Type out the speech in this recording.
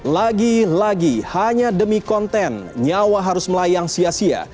lagi lagi hanya demi konten nyawa harus melayang sia sia